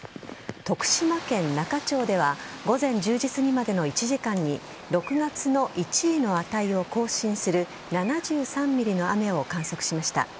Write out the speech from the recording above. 徳島県那珂町では午前１０時過ぎまでの１時間に６月の１位の値を更新する７３ｍｍの雨を観測しました。